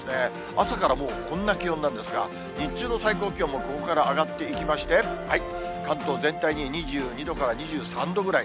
朝からもうこんな気温なんですが、日中の最高気温もここから上がっていきまして、関東全域に２２度から２３度ぐらい。